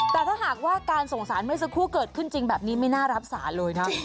แต่ถ้าหากว่าการส่งสารเมื่อสักครู่เกิดขึ้นจริงแบบนี้ไม่น่ารับสารเลยนะ